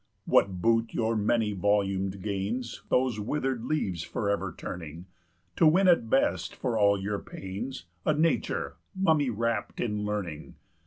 "What boot your many volumed gains, Those withered leaves forever turning, To win, at best, for all your pains, A nature mummy wrapt in learning?